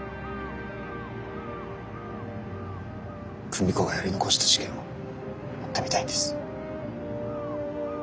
久美子がやり残した事件を追ってみたいんです。